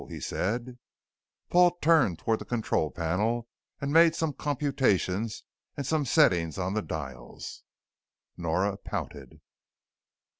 he said. Paul turned toward the control panel and made some computations and some settings on the dials. Nora pouted.